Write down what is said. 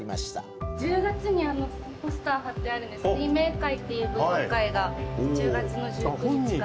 １０月に、ポスター貼ってある水明会っていう舞踊会が１０月の１９日から。